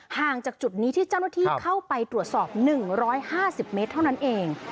ห่างจากจุดนี้ที่เจ้าหน้าที่เข้าไปตรวจสอบ๑๕๐เมตรเท่านั้นเอง